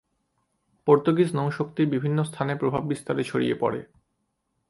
Portuguese নৌ শক্তি বিভিন্ন স্থানে প্রভাব বিস্তারে ছড়িয়ে পরে।